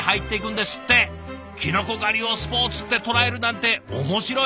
きのこ狩りをスポーツって捉えるなんて面白い！